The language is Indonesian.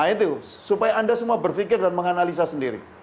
nah itu supaya anda semua berpikir dan menganalisa sendiri